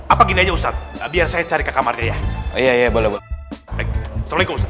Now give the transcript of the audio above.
apa gini aja ustadz biar saya cari ke kamarnya ya boleh boleh